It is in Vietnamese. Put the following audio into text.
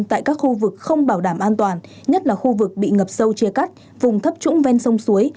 tại các khu vực không bảo đảm an toàn nhất là khu vực bị ngập sâu chia cắt vùng thấp trũng ven sông suối